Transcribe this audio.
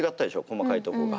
細かいとこが。